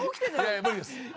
無理です。